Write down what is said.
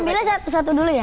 ambilnya satu satu dulu ya